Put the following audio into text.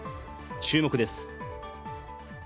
注目です。